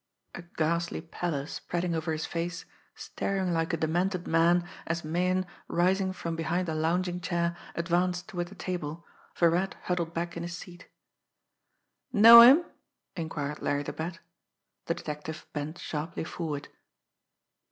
A ghastly pallor spreading over his face, staring like a demented man, as Meighan, rising from behind the lounging chair, advanced toward the table, Virat huddled back in his seat. "Know him?" inquired Larry the Bat. The detective bent sharply forward.